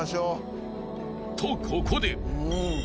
［とここで］